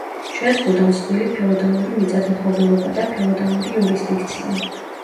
შეზღუდა მსხვილი ფეოდალური მიწათმფლობელობა და ფეოდალური იურისდიქცია.